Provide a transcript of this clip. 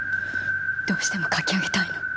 どうしても書き上げたいの。